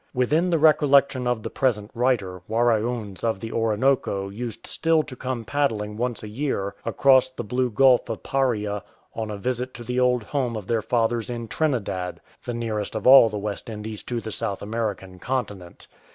Within the recollection of the present writer, Waraoons of the Orinoco used still to come paddling once a year across the blue Gulf of Paria on a visit to the old home of their fathers in Trinidad — the nearest of all the West Indies to the South American Continent.